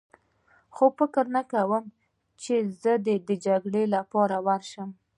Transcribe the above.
خو فکر نه کوم چې زه دې د جګړې لپاره ورشم.